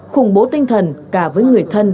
khủng bố tinh thần cả với người thân